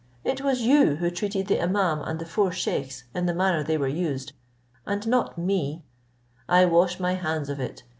It was you who treated the imaum and the four scheiks in the manner they were used, and not me; I wash my hands of it.